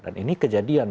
dan ini kejadian